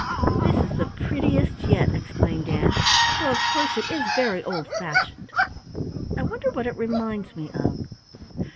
"This is the prettiest yet," exclaimed Ann, "though of course it is very old fashioned. I wonder what it reminds me of?